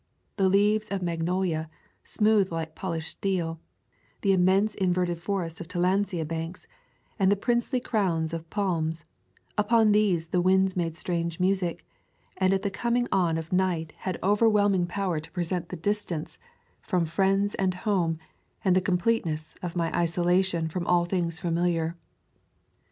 The leaves of magnolia, smooth like polished steel, the immense inverted forests of tillandsia banks, and the princely crowns of palms — upon these the winds made strange music, and at the coming on of night had overwhelm [ 176 ] To California ing power to present the distance from friends and home, and the completeness of my isola tion from all things familiar.